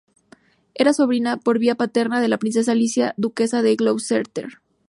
Era sobrina, por vía paterna, de la princesa Alicia, duquesa de Gloucester.